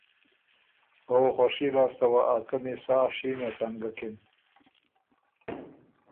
او خؤشي لاسته وه ا څمی سا شینه ټنګکِن